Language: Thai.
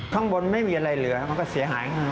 ข้างบนไม่มีอะไรเหลือมันก็เสียหายง่าย